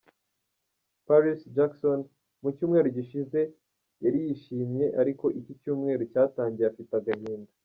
Paris Jackson, mu cyumweru gishize yari yishimye ariko iki cyumweru cyatangiye afite agahinda.